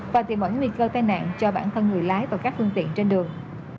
và tìm ẩn nguy cơ tai nạn cho bản thân người lái và các phương tiện trên đường